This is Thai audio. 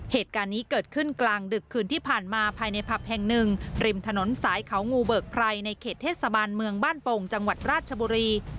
เหตุการณ์นี้เกิดขึ้นกลางดึกคืนที่ผ่านมาภายในผับแห่งหนึ่งริมถนนสายเขางูเบิกไพรในเขตเทศบาลเมืองบ้านโป่งจังหวัดราชบุรี